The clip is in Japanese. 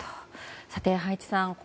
さて、葉一さん